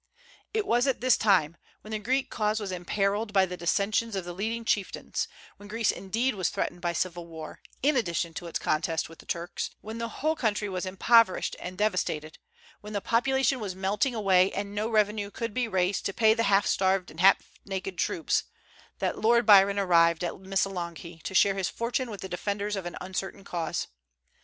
It was at this time, when the Greek cause was imperilled by the dissensions of the leading chieftains; when Greece indeed was threatened by civil war, in addition to its contest with the Turks; when the whole country was impoverished and devastated; when the population was melting away, and no revenue could be raised to pay the half starved and half naked troops, that Lord Byron arrived at Missolonghi to share his fortune with the defenders of an uncertain cause.